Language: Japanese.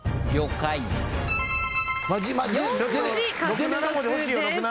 ６７文字欲しいよ。